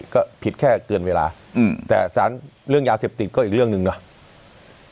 ก็ผิดแค่เกินเวลาแต่สารเรื่องยาเสพติดก็อีกเรื่องหนึ่งเนาะ